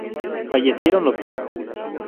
Fallecieron los tres.